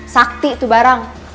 sakti itu barang